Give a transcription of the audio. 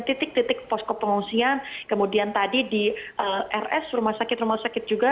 titik titik posko pengungsian kemudian tadi di rs rumah sakit rumah sakit juga